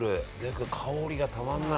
これ香りがたまんない。